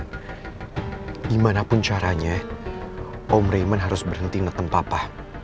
gimana pun caranya om raymond harus berhenti ngeten papa